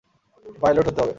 Pilot হতে হবে।